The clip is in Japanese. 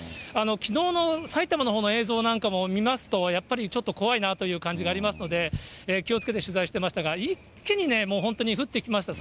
きのうの埼玉のほうの映像なんかも見ますと、やっぱりちょっと怖いなという感じがありますので、気をつけて取材してましたが、一気にね、もう本当に降ってきました。